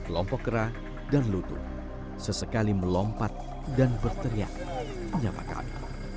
kelompok kerah dan lutut sesekali melompat dan berteriak menyapa kami